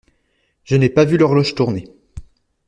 Je n’ai pas vu l’horloge tourner.